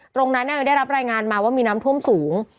ตรงนั้นได้รับรายงานมาว่ามีน้ำท่วมสูง